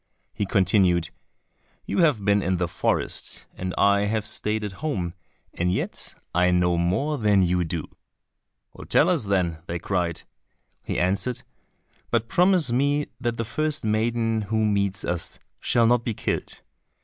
He continued, "You have been in the forest and I have stayed at home, and yet I know more than you do." "Tell us then," they cried. He answered, "But promise me that the first maiden who meets us shall not be killed."